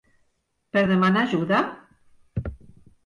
Per demanar ajuda?